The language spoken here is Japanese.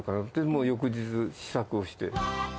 もう翌日、試作をして。